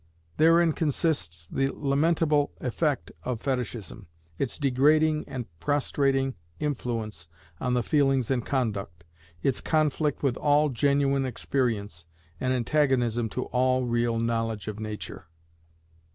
Therein consists the lamentable effect of Fetishism its degrading and prostrating influence on the feelings and conduct, its conflict with all genuine experience, and antagonism to all real knowledge of nature.